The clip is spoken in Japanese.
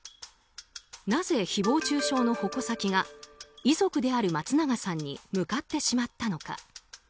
なぜ誹謗中傷の矛先が遺族である松永さんに向かってしまったのか。